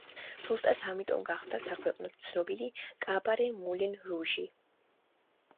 ზუსტად ამიტომ გახდა საქვეყნოდ ცნობილი კაბარე მულენ რუჟი.